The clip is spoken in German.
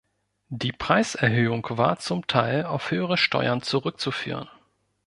Die Preiserhöhung war zum Teil auf höhere Steuern zurückzuführen.